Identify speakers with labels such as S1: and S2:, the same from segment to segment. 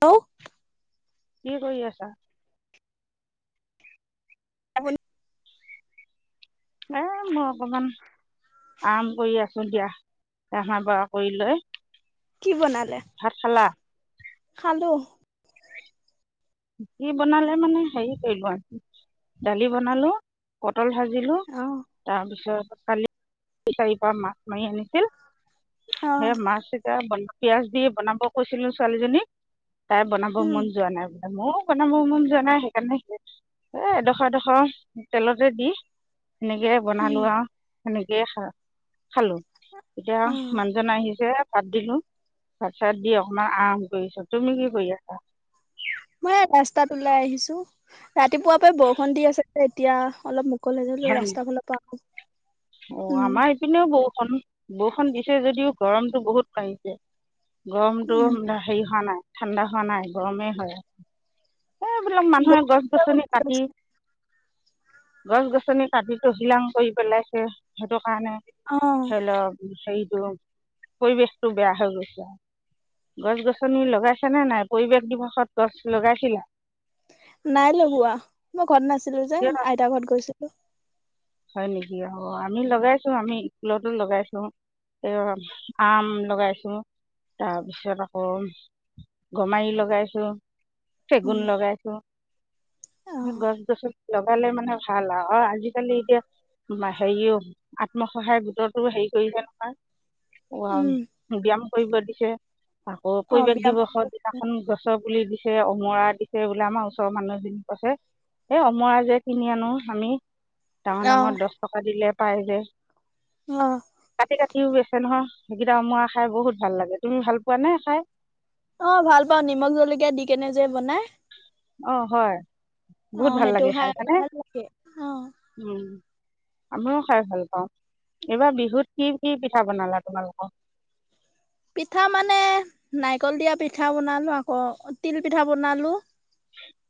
S1: Hello
S2: কি কৰি আছা?
S1: আপুনি
S2: এ মই অকমান- আৰাম কৰি আছো দিয়া ৰন্ধা বহা কৰি লৈ
S1: কি বনালে?
S2: ভাত খালা?
S1: খালোঁ
S2: কি বনালে মানে হেৰি কি কয় দালি বনালো পটল ভাজিলো
S1: অ'।
S2: তাৰপিছত কালি ফিচাৰি পৰা মাছ মাৰি আনিছিল। সেই
S1: অ',
S2: মাছ এতিয়া পিয়াজ দি বনাব কৈছিলোঁ ছোৱালীজনীক তাই বনাব
S1: উম,
S2: মন যোৱা নাই। মোৰ বনাব মন যোৱা নাই সেইকাৰণে এ এডোখৰ এডোখৰ তেলতে দি সেনেকে
S1: উম,
S2: বনালো আৰু সেনেকেই খা খালোঁ এতিয়া
S1: অ',
S2: মানুহজন আহিছে ভাত দিলো। ভাত চাত দি অকমান আৰাম কৰিছো তুমি কি কৰি আছা?
S1: মই ৰাস্তাত ওলাই আহিছো ৰাতিপুৱা পৰা বৰষুণ দি আছে যে এতিয়া অলপ মুকলি কলেজ লৈও
S2: হয়
S1: ৰাস্তাৰ ফালৰ পৰা আহোঁ।
S2: অ আমাৰ ইপিনেও বৰষুণ বৰষুণ দিছে যদিও গৰমতটো বহুত বাঢ়িছে। গৰমটো
S1: উম,
S2: হেৰি হোৱা নাই ঠাণ্ডা হোৱা নাই গৰমেই হৈ এইবিলাক মানুহে গছ গছনি কাটি গছ গছনি কাটি টহিলাং কৰি পেলাইছে সেইটো কাৰণে
S1: অ',
S2: ধৰি লওক হেৰিটো পৰিৱেশটো বেয়া হৈ গৈছে আৰু গছ গছনি লগাইছে নে নাই পৰিৱেশ দিৱসত গছ লগাইছিলা।
S1: নাই লগোৱা মই ঘৰত নাছিলো যে
S2: কিয়
S1: আইতাৰ ঘৰত গৈছিলোঁ।
S2: হয় নেকি অ আমি লগাইছোঁ আমি স্কুলতো লগাইছোঁ। এ আম লগাইছোঁ তাৰপিছত আকৌ গমাৰি লগাইছোঁ চেগুন
S1: উম,
S2: লগাইছোঁ
S1: অ',
S2: গছ গছনি লগালে মানে ভাল আৰু অ আজিকালি এতিয়া হেৰিও আত্মসহায়ক গোটটো হেৰি কৰিলে নহয়। উ
S1: উম,
S2: ব্যয়াম কৰিব দিছে আকৌ
S1: অ',
S2: পৰিৱেশ
S1: বিয়ামত
S2: দিৱসত দিনাখন গছৰ পুলি দিছে অমৰা দিছে বোলে আমাৰ ওচৰৰ মানুহ এজনিক কৈছে। এই অমৰা যে কিনি আনো আমি ডাঙৰ
S1: অ',
S2: ডাঙৰ দহ টকা দিলে পাই যে।
S1: অ
S2: কাটি কাটিও বেছে নহয় সেইকেইটা অমৰা খাই বহুত ভাল লাগে তুমি ভাল পোৱা নে খাই
S1: অ ভাল পাওঁ নিমখ জলকীয়া দি কেনে যে বনাই।
S2: অ হয়
S1: অ
S2: বহুত ভাল
S1: সেইটো
S2: লাগে
S1: খাই
S2: হয়নে
S1: ভাল লাগে অ।
S2: উম আমিও খাই ভাল পাওঁ। এইবাৰ বিহুত কি কি পিঠা বনালা তোমালোকক।
S1: পিঠা মানে নাৰিকল দিয়া পিঠা বনালোঁ আকৌ তিল পিঠা বনালোঁ।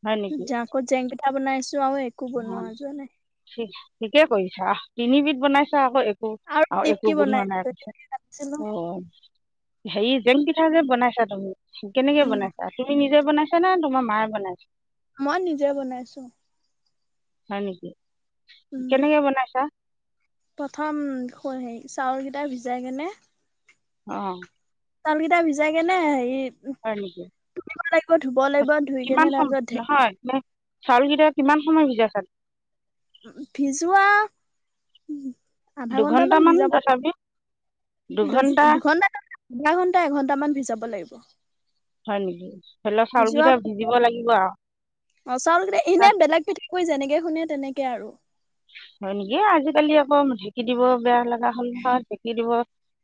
S2: হয় নেকি
S1: জাকত জেংকেইটা বনাইছো আৰু একো বনোৱা
S2: [unintelligible]
S1: যোৱা নাই
S2: ঠিকে কৰিছা তিনিবিধ বনাইছা আকৌ একো আৰু
S1: নিমকি
S2: একো বণোৱানাই
S1: বনাইছো।
S2: কৈছা
S1: ছিলো
S2: অ হেৰি জেং পিঠা যে বনাইছা তুমি কেনেকে
S1: উম
S2: বনাইছা তুমি নিজে বনাইছা না তোমাৰ মায়ে বনাইছে।
S1: মই নিজে বনাইছো
S2: হয় নেকি
S1: উম।
S2: কেনেকে বনাইছা।
S1: প্ৰথম হেৰি চাউলকেইটা ভিজাই কেনে।
S2: অ
S1: তালকেইটা ভিজাই কেনেহেৰি
S2: হয় নেকি
S1: লাগিব ধুই কেনে
S2: কিমান সম
S1: তাৰপিছত
S2: নহয় ম চাউলকেইটা কিমান সময় সিজা খাল
S1: ভিজুৱা আধা ঘন্টামান
S2: দুঘণ্টামান
S1: ভিজাব লাগ
S2: তথাপি
S1: দু
S2: দুঘণ্টা
S1: দুঘন্টা আধা ঘণ্টা এঘণ্টা মান ভিজাব লাগিব
S2: হয় নেকি ধৰি লওক চাউল
S1: ভিজোৱা
S2: কেইটা
S1: পাছত
S2: ভিজিব লাগিব আৰু,
S1: অ চাউল কেই এনে বেলেগ পিঠাগুৰিযেনেকে শুনে তেনেকে আৰু
S2: হয় নেকি। আজিকালি আকৌ ঢেঁকি দিব বেয়া লগা হল নহয় ঢেঁকি দিব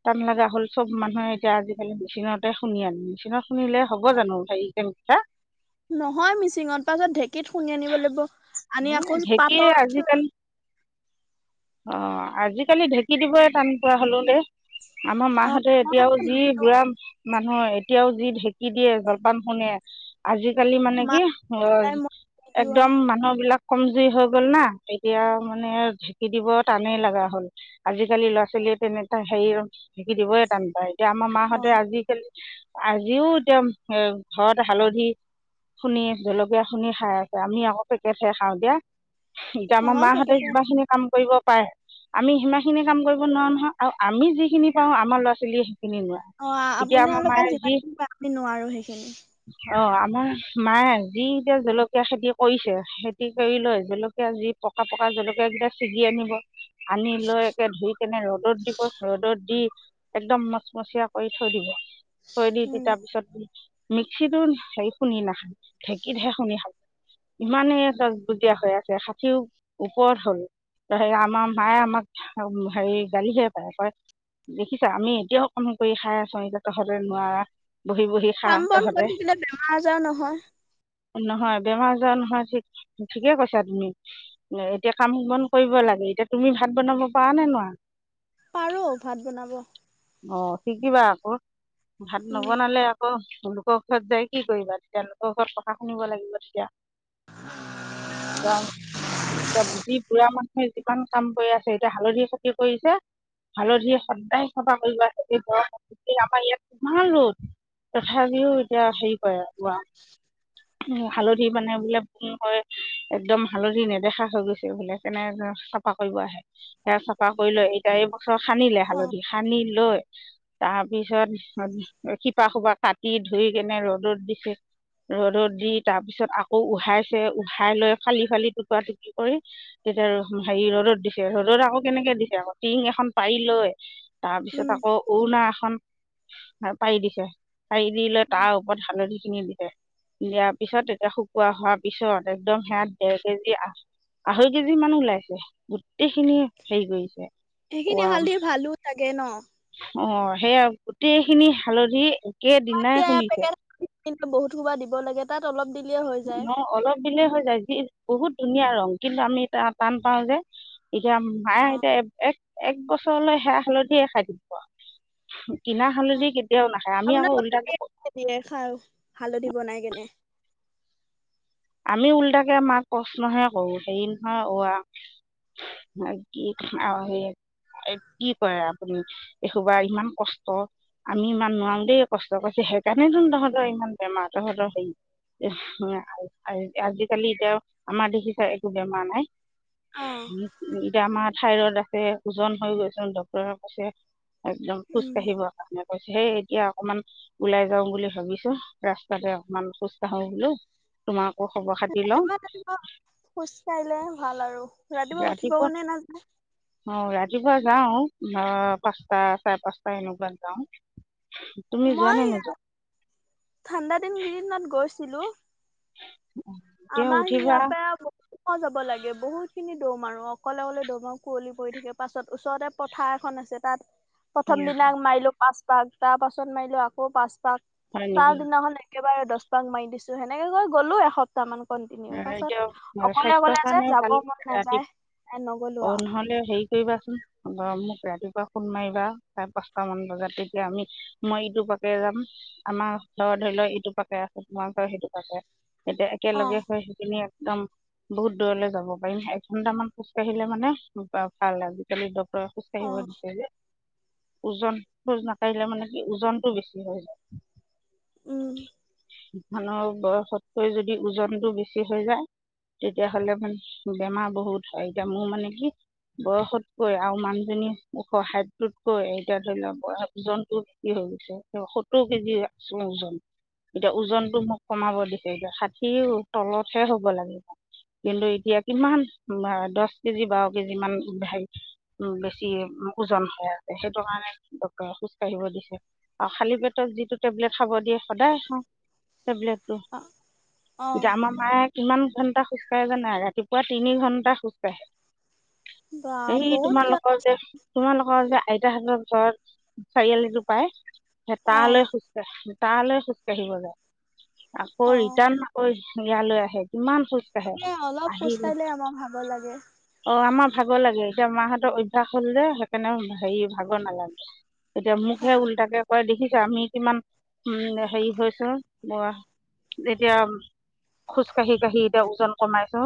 S2: টান লগা হ'ল চব মানুহে এতিয়া আজিকালি মেচিনতে শুনি আন মেচিননৰত শুনিলে হ'ব জানো হেৰি জেণকটা
S1: নহয় মিচিঙত পাছত ঢেঁকীত খুন্দনি আনিব লাগিব। আনি আকো
S2: ঢেঁকী
S1: পাতল চালনি
S2: অ আজিকালি ঢেঁকী দিবই টান পোৱা হলো দেই আমাৰ
S1: অ
S2: মাহাহঁতে
S1: মই
S2: এতিয়াও
S1: আকৌ
S2: যি
S1: নিদো
S2: বুঢ়া মানুহৰ এতিয়াও যি ঢেঁকী দিয়ে, জলপান শুনে, আজিকালি মানে
S1: মা
S2: কি, অ
S1: দেউতাই মই নিদিও আও
S2: একদম মানুহ বিলাক, কমজুৰি হৈ গ'ল না। এতিয়া মানে, ধেকিদিব টানেই লগা হ'ল আজিকালি ল'ৰা ছোৱালীয়ে তেনেক হেৰি ধেকি দিবে টান পায় এতিয়া আমাৰ
S1: অ
S2: মাহঁতে আজিকালি, আজিও এতিয়া এ ঘৰতে হালধি শুনি জলকীয়া শুনি খাই আছে। আমি আকৌ পেকেটহে খাওঁ দিয়া। এতিয়া আমাৰ মাহঁতে কিমান খিনি কাম কৰিব পাৰে। আমি সিমান খিনি কাম কৰিব নোৱাৰো নহয় আৰু আমি যিখিনি পাও আমাৰ ল'ৰা ছোৱালীয়ে সেইখিনি নোৱাৰে
S1: অ
S2: এতিয়া আমাৰ
S1: আপোনালোকে
S2: মায়ে
S1: যিমানিনিব আমি নোৱাৰো সেইখিনি
S2: অ আমাৰ মায়ে যি এতিয়া জলকীয়া খেতি কৰিছে। খেতি কৰি লৈ জলকীয়া যি, পকা পকা জলকীয়া বিলাক চিগি আনিব। আনি লৈ একে ধুই কেনে ৰ'দত দিব। ৰ'দত দি একদম মচমচীয়া কৰি থৈ দিব। থৈ দি,
S1: উম
S2: দি তাৰ পিছত মিক্সিতো হে, শুনি নাখাই, ঢেঁকীতহে শুনি খাব। ইমানেই গজবজীয়া হৈ আছে ষাঠিও ওপৰত হ'ল। ত, হেৰি আমাৰ মায়ে আমাক হেৰি গালিহে পাৰে। কয়, দেখিছা, আমি এতিয়াও কাম কৰি খাই আছো। এতিয়া তহতে নোৱাৰা বহি, বহি। খা
S1: কাম-বন
S2: তহঁতে
S1: কৰি থাকিলে বেমাৰ-আজাৰো নহয়।
S2: নহয় বেমাৰ আজাৰ নহয়, ঠিক ঠিকে কৈছা তুমি, এতিয়া কাম-বন কৰিব লাগে। এতিয়া তুমি ভাত বনাব পাৰা নে, নোৱাৰা?
S1: পাৰো ভাত বনাব।
S2: অ, শিকিবা আকৌ। ভাত
S1: উম
S2: নবনালে অহ, তেওঁলোকৰ ঘৰত যাই কি কৰিবা? তেতিয়া লোকৰ ঘৰত কথা শুনিব লাগিব তেতিয়া। এয়া, চজ্বি পুৰা মান সৈই এইটো কাম, কাম কৰি আছে। এতিয়া হালধি খেতি কৰিছে। হালধিয়ে সদায় [inaudible] আমাৰ ইয়াত ৰ'দ। তথাপিওঁ এতিয়া, হেৰি কৰে পুৰা উম, হালধি মানে বোলে ম, হয়। একদম হালধি নেদেখা হৈ গৈছে বোলে। সেইকাৰণে চ ফা, কৰিব আহে। সেয়া চফা কৰি লৈ, এতিয়া এইবছৰ সানিলে
S1: অ
S2: হালধি। সানি লৈ তাৰপিছত সিহঁত শিপা-শোপা কাটি, ধুই কেনে ৰ'দত দিছো। ৰ'দত দি, তাৰপিছত আকৌ উহাইছে। উহাই লৈ ফালি ফালি টুকুৰা-টুকুৰি কৰি তেতিয়া আৰু, হেৰি ৰ'দত দিছে। ৰ'দত আকৌ কেনেকে দিছে আকৌ? টিং এখন পাৰি লৈ
S1: উম
S2: তাৰপিছত আকৌ উৰুণা এখন পাৰি দিছে। পাৰি দি লৈ তাৰ ওপৰত হালধিখিনি দিছে। দিয়াৰ পিছত, তেতিয়া শুকোৱা হোৱাৰ পিছত, একদম সেয়া ডেৰ, কেজি আ আঢ়ৈ কেজিমান ওলাইছে। গোটেইখিনিয়ে হেৰি কৰিছে।
S1: সেইখিনি হালধি ভালো চাগে ন?
S2: অহ, সেইয়া গোটেইখিনি হালধি
S1: আমাৰ
S2: একেদিনাই
S1: এতিয়া
S2: শুনিছে।
S1: [inaudible] কিন্তু বহুত সোপা দিব লাগে তাত, অলপ দিলে হয়।
S2: ন, অলপ দিলে হৈ যায়। যি, বহুত ধুনীয়া ৰং, কিন্তু আমি এতিয়া টান পাওঁ যে। এতিয়া মাই
S1: অ
S2: এতিয়া এক, এক বছৰলে সেয়া হালধিয়ে খাই থাকিব। কিনা
S1: অ
S2: হালধি কেতিয়াও নাখায়। আমি আকৌ
S1: আপোনালোকে
S2: উলতাকে
S1: দিয়ে
S2: প
S1: দিয়ে খাওঁ। হালধি বনাই কেনে।
S2: আমি উলতাকে মাক প্ৰশ্নহে কৰোঁ। হেৰি নহয় অ, আ' মা, কি, অ, সি' এ, কি কয় আপুনি, এসোপা ইমান কষ্ট। আমি ইমান নোৱাৰোঁ, দেই কষ্ট কৰিছোঁ। সেইকাৰণেতোন তহঁতৰ ইমান বেমাৰ। তহঁতৰ হেৰি এহ, হয় আৰু। আৰু আজিকালি এতিয়াও আমাৰ দেখিচা, একো বেমাৰ নাই।
S1: অ
S2: উম, এতিয়া আমাৰ থাইৰয়ড আছে, ওজন হৈ গৈছোঁ। ডাক্তৰে কৈছে একদম খোজ
S1: উম
S2: কাঢ়িব। মানে কৈছে। হেই এতিয়া অকণমান ওলাই যাওঁ বুলি ভাবিছোঁ। ৰাস্তাতে অকণমান খোজ কাঢ়ো বুলি। তোমাকো খবৰ-খাতি লওঁ।
S1: ৰাতিপুৱা ৰাতিপুৱা খোজ কাঢ়িলে ভাল আৰু। উঠিব
S2: ৰাতিপুৱা
S1: মনে নাযায়
S2: অহ, ৰাতিপুৱা যাওঁ। মাহ পাঁচটা, চাৰে পাঁচটা এনেকুৱাত যাওঁ। তুমি যোৱা নে নোযোৱা?
S1: ঠাণ্ডাদিন কেইদিনমান গৈছিলো।
S2: [inaudible] এতিয়া
S1: আমাৰ
S2: উঠিবা
S1: সিহঁতে ব- উক যাব লাগে। বহুত খিনি দৌৰ মাৰো, অকলে গ'লে দৌৰ মাৰো। কুঁৱলি পৰি থাকে। পাছত ওচৰতে- পথাৰ এখন আছে তাত।
S2: [inaudible]
S1: প্ৰথম দিনা মাৰিলোঁ পাঁচ পাক। তাৰ পাছত মাৰিলোঁ আকৌ পাঁচ পাক।
S2: হয় নেকি?
S1: তাৰ দিনাখনে এক একেবাৰে দহ পাক মাৰি দিছোঁ। সেনেকৈ গ'লো এসপ- তামান কন্টিনিউ
S2: আহ,
S1: পাছত,
S2: এতিয়া আহ,
S1: অকলে
S2: স্বাস্থ্যৰ
S1: অকলে যে,
S2: কাৰণে
S1: যাব মন নেযায়।
S2: অ নহ'লে হেৰি কৰিবাচোন [unintelligible] মোক ৰাতিপুৱা ফোন মাৰিবা চাৰে পাঁচটামান বজাত তেতিয়া আমি মই এইটো পাকেৰে যাম। আমাৰ ধত ধৰি ল এইটো পাকে আছে, তোমাৰ ঘৰ সিটো পাকে। এতিয়া
S1: অ
S2: একেলগে হৈ, সেইখিনি একদম বহুত দূৰলৈ যাব পাৰিম। এঘন্টামান খোজ কাঢ়িলে মানে বা ভাল আজিকালি ডক্টৰ- খোজ
S1: অ
S2: কাঢ়িব দিছে যে ওজন খোজ নাকঢ়িলে মানে কি ওজনটো বেছি হৈ যায়।
S1: উম।
S2: মানুহৰ বয়সতকৈ যদি ওজনটো বেছি হৈ যায় তেতিয়া হ'লে মানে বেমাৰ বহুত হয় এতিয়া মোৰ মানে কি বয়সতকৈ আৰু মানুহজনী ওখ হাইতকৈ এতিয়া ধৰি লোৱা বয়সব ওজনটো কি হৈ গৈছে ত সত্তৰ কেজি আছো ওজন। এতিয়া ওজনটো মোক কমাব দিছে এতিয়া ষাঠি তলতহে হ'ব লাগিব। কিন্তু এতিয়া কিমান দছ কেজি বাৰ কেজি মান হায়ি উ বেছি ওজন হৈ আছে সেইটো কাৰণে ডক্তৰে খোজ কাঢ়িব দিছে। আৰু খালী পেটত যিটো টেবলেট খাব দিয়ে সদায় খাওঁ টেবলেটো।
S1: অ।
S2: এতিয়া আমা মায়ে কিমান ঘণ্টা খোজকাঢ়ে জানা ৰাতিপুৱা তিনি ঘণ্টা খোজকাঢ়ে।
S1: বা
S2: এই
S1: বহুত যোৱা
S2: তোমালোকৰ যে তোমালোকৰ যে আইতাহতৰ ঘৰত চাৰিআলিটো পায়, সে
S1: অ
S2: তালৈ খুজ কাঢ়ে। তালে খোজকাঢ়িব যায় আকৌ
S1: অ
S2: ৰিটাৰ্ণ আকৌ ইয়ালৈ আহে কিমান খোজ
S1: সেই অলপ খোজ কাঢ়িলে আমাক ভাগৰ লাগে।
S2: অ আমাৰ ভাগৰ লাগে এতিয়া মাহতৰ অভ্যাস হল যে সেইকাৰণে হেৰি ভাগৰ নালাগে। এতিয়া মোকহে উল্টাকে কয় দেখিছা আমি কিমান উম হেৰি হৈছো ৱা এতিয়া খোজ কাঢ়ি কাঢ়ি এতিয়া ওজন কমাইছো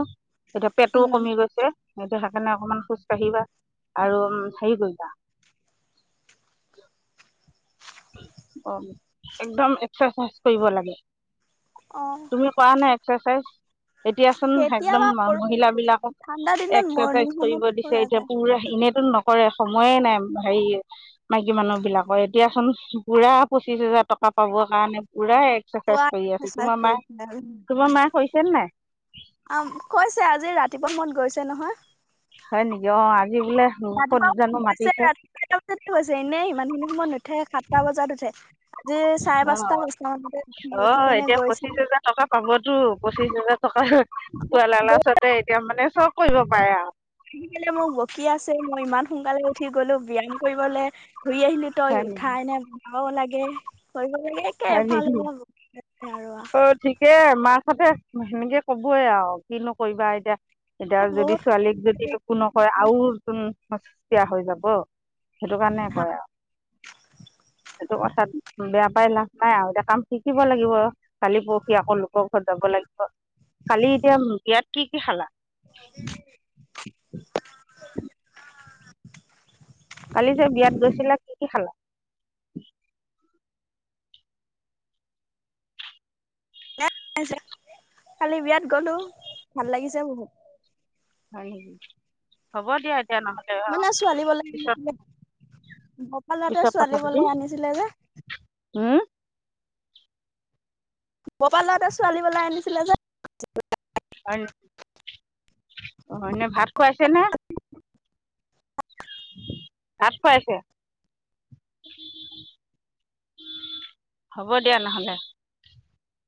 S2: এতিয়া পেটও
S1: উম
S2: কমি গৈছে। এতিয়া সেইকাৰণে অকমান খোজ কাঢ়িবা আৰু হেৰি কৰিবা। অ একদম এক্সাৰচাইজ কৰিব লাগে।
S1: অ।
S2: তুমি কৰা নাই এক্সাৰচাইজ? এতিয়া চোন
S1: কেতিয়াবা কৰো
S2: একদমমহিলা বিলাকক
S1: ঠাণ্ডা দিনত মৰ্ণিং
S2: এক্সাৰচাইজ কৰিব
S1: সময়ত
S2: দিছে
S1: কৰা
S2: এতিয়া
S1: যায়
S2: পুৰা এনেতো নক কৰে সময়ে নাই হায়ি মাইকী মানুহবিলাকৰ এতিয়া চোন পুৰা পঁচিশ হেজাৰ টকা পাবৰ কাৰণে পুৰা এক এক্সাৰচাইজ
S1: পুৱা
S2: কৰি আছে তোমাৰ
S1: এক্সাৰচাইজ
S2: মায়ে
S1: কৰি
S2: তোমাৰ মায়ে কৰিছে নাই?
S1: অ কৈছে আজি ৰাতিপুৱা সময়মত গৈছে নহয়।
S2: হয় নেকি অ আজি বোলে ক'ত
S1: ৰাতিপুৱা
S2: জানো
S1: গৈ আছে
S2: মাতিছে
S1: ৰাতিপুৱা বজাততো হৈছে এনেই ইমানখিনি সময়ত নুঠে সাতটা বজাত উঠে আজি চাৰে
S2: অ
S1: পাঁচটা পাঁচটা মানতে উঠি
S2: অহ
S1: কেনে
S2: এতিয়া
S1: গৈছে
S2: পঁচিশ হাজাৰ টকা পাবতো পঁচিশ হাজাৰত টকাৰ লালচতে এতিয়া মানে চব কৰিব পাৰে আও
S1: আহি পিনি মোক বকি আছে মই ইমান সোনকালে উঠি গলো ব্যায়াম কৰিবলে ঘূৰি আহিলো তই
S2: হয় নেকি
S1: উঠাই নে বনাব লাগে কৰিব লাগে একে
S2: হয় নেকি
S1: এফালৰ পৰা বকি আছে আৰু
S2: অত ঠিকে মাকহঁতে সেনেকে কবয়ে আও কিনো কৰিবা এতিয়া এতিয়া যদি
S1: বহুত
S2: ছোৱালীক যদি একো নকয় আও উম সস্তীয়া হৈ যাব সেইটো কাৰণে কৰে আও সেইটো কথাত বেয়া পাই লাভ নাই আৰু এতিয়া কাম শিকিব লাগিব কালি পৰহি আকৌ লোকৰ ঘৰত যাব লাগিব অ কালি এতিয়া বিয়াত কি কি খালা কালি যে বিয়াত গৈছিলা কি কি খালা
S1: কালি বিয়াত গ'লো ভাল লাগিছে বহুত
S2: হয় নেকি হ'ব দিয়া এতিয়া নহলে অ'
S1: মানে ছোৱালী পলাই
S2: পিছত
S1: আনিছিলে গোপালৰ ল'ৰাটোৱে
S2: পিছত কথা
S1: ছোৱালী
S2: পাতিম
S1: পলাই আনিছিলে যে
S2: উম
S1: গপালৰ লৰাটোৱে ছোৱালী পলাই আনিছিলে যে
S2: হয় নে অ হয়নে ভাত খুৱাইছে নে ভাত খুৱাইছে হ'ব দিয়া নহলে